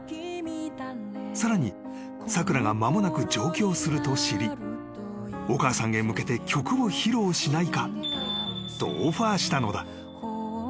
さらにさくらが間もなく上京すると知りお母さんへ向けて曲を披露しないかとオファーしたのだ］